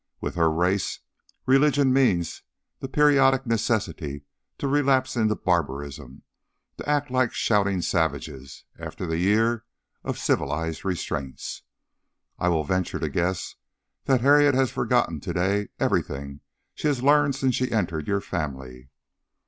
With her race, religion means the periodical necessity to relapse into barbarism, to act like shouting savages after the year of civilized restraints. I will venture to guess that Harriet has forgotten to day everything she has learned since she entered your family.